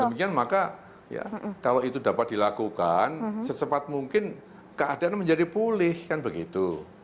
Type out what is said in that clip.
demikian maka ya kalau itu dapat dilakukan secepat mungkin keadaan menjadi pulih kan begitu